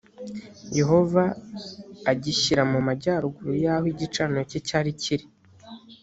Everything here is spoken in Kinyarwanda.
yehova agishyira mu majyaruguru y’aho igicaniro cye cyari kiri